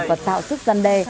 và tạo sức gian đe